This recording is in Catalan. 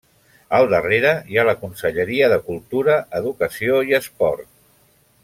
Al darrere, hi ha la Conselleria de Cultura, Educació i Esport.